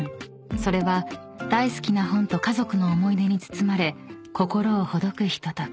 ［それは大好きな本と家族の思い出に包まれ心をほどくひととき］